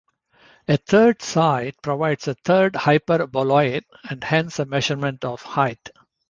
A third site provides a third hyperboloid and hence a measurement of height.